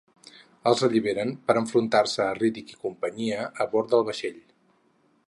Els alliberen per enfrontar-se a Riddick i companyia a bord del vaixell.